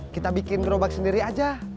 kita bikin gerobak sendiri aja